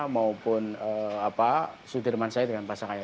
maupun sudirman said dengan pasangannya